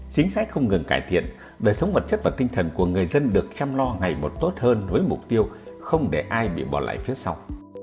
chính sách không ngừng cải thiện đời sống vật chất và tinh thần của người dân được chăm lo ngày một tốt hơn với mục tiêu không để ai bị bỏ lại phía sau